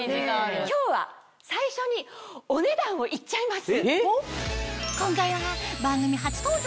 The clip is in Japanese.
今日は最初にお値段を言っちゃいます。